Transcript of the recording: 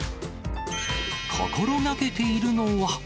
心がけているのは。